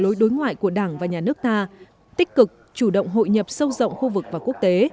lối đối ngoại của đảng và nhà nước ta tích cực chủ động hội nhập sâu rộng khu vực và quốc tế